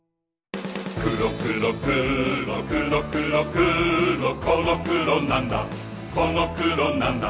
くろくろくろくろくろくろこのくろなんだこのくろなんだ